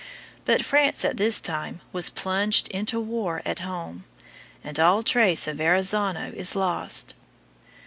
But France at this time was plunged into war at home, and all trace of Verrazzano is lost.